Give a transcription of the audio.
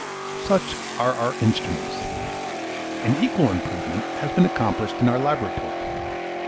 Such are our instruments. An equal improvement has been accomplished in our laboratory.